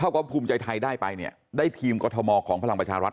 ว่าภูมิใจไทยได้ไปเนี่ยได้ทีมกรทมของพลังประชารัฐ